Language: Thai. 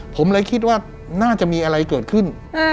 ผมเลยคิดว่าน่าจะมีอะไรเกิดขึ้น